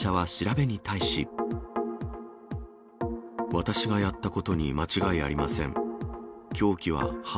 私がやったことに間違いありません。